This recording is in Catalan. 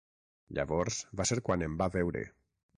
Llavors va ser quan em va veure.